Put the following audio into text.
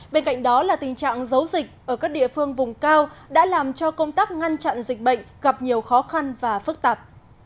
bên cạnh đó là tình trạng giấu dịch ở các địa phương vùng cao đã làm cho công tác ngăn chặn dịch bệnh gặp nhiều khó khăn và phức tạp